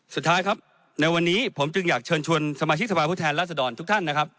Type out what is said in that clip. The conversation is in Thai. สุดท้ายครับในวันนี้ผมจึงอยากเชิญชวนสมาชิกสภาพผู้แทนราษฎรทุกท่านนะครับ